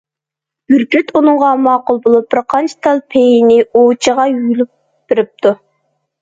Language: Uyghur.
بۈركۈت ئۇنىڭغا ماقۇل بولۇپ، بىر قانچە تال پېيىنى ئوۋچىغا يۇلۇپ بېرىپتۇ.